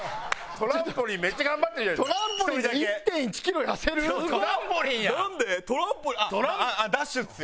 トランポリンあっダッシュですよ。